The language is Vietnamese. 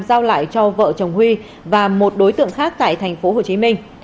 giao lại cho vợ chồng huy và một đối tượng khác tại thành phố hồ chí minh